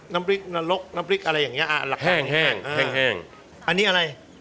น้ำพริกนรกน้ำพริกอะไรอย่างเงี้อ่ะหลักแห้งแห้งแห้งแห้งอันนี้อะไร